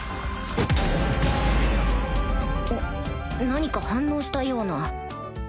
何か反応したような